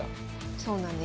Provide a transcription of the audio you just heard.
そうなんです。